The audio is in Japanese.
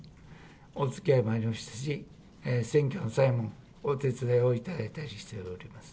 おつきあいもありましたし、選挙の際もお手伝いを頂いたりしているわけです。